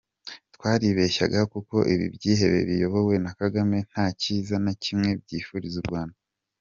Twaribeshyaga kuko ibi byihebe biyobowe na Kagame, nta cyiza na kimwe byifurizaga Urwanda.